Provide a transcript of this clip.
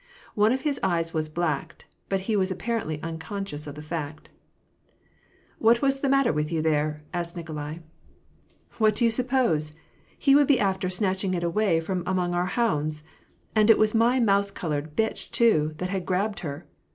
One of his eyes was blacked ; but he was apparently unconscious of the fact. " What was the matter with you there ?" asked Nikolai. " What do you suppose ! he would be after snatching it away from among our hounds ! And it was my mouse colored bitchy too, that had grabbed her